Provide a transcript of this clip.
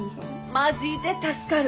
マジで助かる！